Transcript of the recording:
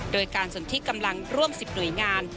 โดยการสนที่กำลังร่วม๑๐หน่วยงาน